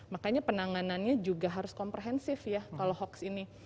makanya penanganannya juga harus komprehensif ya kalau hoax ini